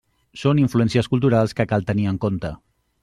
Són influències culturals que cal tenir en compte.